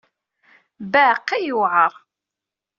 Baqi yewɛer.